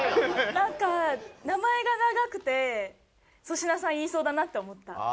なんか名前が長くて粗品さん言いそうだなって思った。